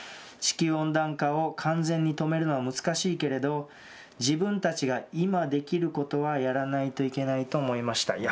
地球温暖化を完全に止めるのは難しいけれど、自分たちが今できることはやらないといけないと思いました。